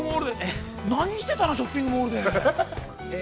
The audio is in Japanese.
何してたの、ショッピングモールで。